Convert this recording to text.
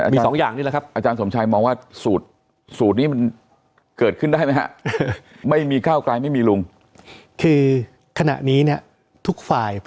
มีสองอย่างนี้แหละครับ